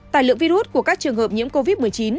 tài lượng virus của các trường hợp nhiễm covid một mươi chín